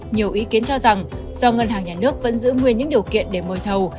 nhiều ý kiến cho rằng do ngân hàng nhà nước vẫn giữ nguyên những điều kiện để mời thầu